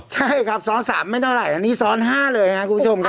ใช่ครับซ้อน๓ไม่เท่าไหร่อันนี้ซ้อน๕เลยครับคุณผู้ชมครับ